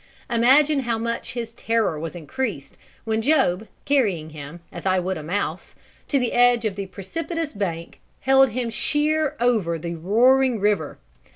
Imagine how much his terror was increased when Job, carrying him, as I would a mouse, to the edge of the precipitous bank, held him sheer over the roaring river.